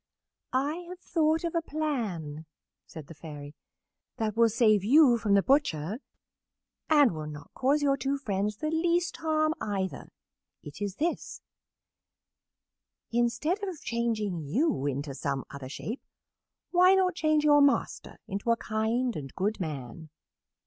"I have thought of a plan," said the Fairy, "that will save you from the butcher, and will not cause your two friends the least harm, either. It is this: "Instead of changing you into some other shape, why not change your master into a kind and good man?"